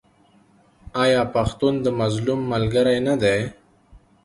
آیا پښتون د مظلوم ملګری نه دی؟